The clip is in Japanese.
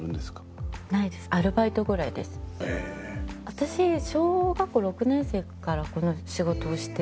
私小学校６年生からこの仕事をしてるんで。